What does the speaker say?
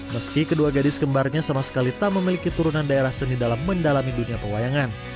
meski kedua gadis kembarnya sama sekali tak memiliki turunan daerah seni dalam mendalami dunia perwayangan